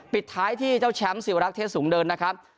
ปิดท้ายที่เจ้าแชมป์สิวรักษ์เทศสูงเดินนะครับ